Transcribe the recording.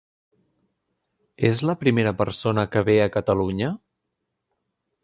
És la primera persona que ve a Catalunya?